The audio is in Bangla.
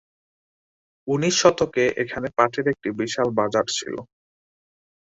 উনিশ শতকে এখানে পাটের একটি বিশাল বাজার ছিল।